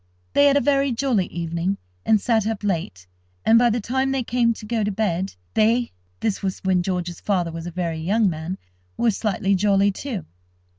They had a very jolly evening, and sat up late, and, by the time they came to go to bed, they (this was when George's father was a very young man) were slightly jolly, too.